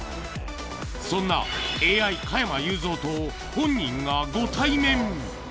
そんなＡＩ加山雄三と、本人がご対面。